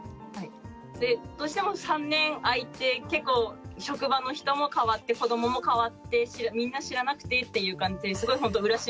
どうしても３年空いて結構職場の人も変わって子どもも変わってみんな知らなくてっていう感じですごいほんと浦島